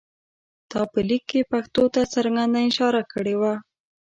تا په لیک کې پېښو ته څرګنده اشاره کړې وه.